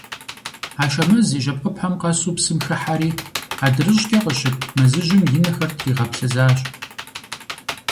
Ашэмэз и жьэпкъыпэм къэсу псым хыхьэри, адырыщӏкӏэ къыщыт мэзыжьым и нэхэр тригъэплъызащ.